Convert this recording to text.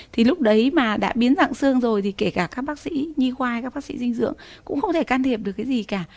thì lúc đấy mà đã biến dạng xương rồi thì kể cả các bác sĩ nhi khoai các bác sĩ dinh dưỡng cũng không thể can thiệp được cái gì cả